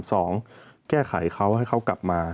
สองแก้ไขเขาให้เขากลับมา